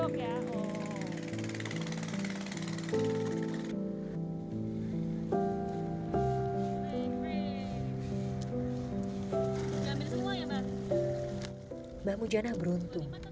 mbak mujana beruntung